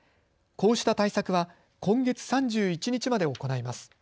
こうした対策は今月３１日まで行います。